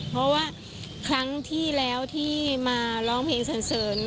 เพราะว่าครั้งที่แล้วที่มาร้องเพลงสันเสริญ